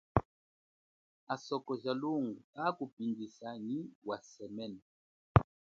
Asoko ja lunga kakupindjisa nyi wa semene.